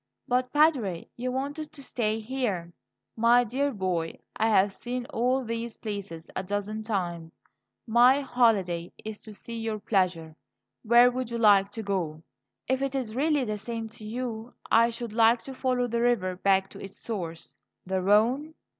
"But, Padre, you wanted to stay here?" "My dear boy, I have seen all these places a dozen times. My holiday is to see your pleasure. Where would you like to go?" "If it is really the same to you, I should like to follow the river back to its source." "The Rhone?"